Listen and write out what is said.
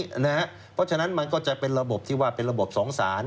เพราะฉะนั้นมันก็จะเป็นระบบที่ว่าเป็นระบบสองสาร